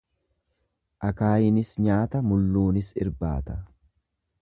Akaayiinis nyaata mulluunis irbaata.